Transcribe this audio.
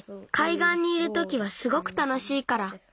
がんにいるときはすごくたのしいから。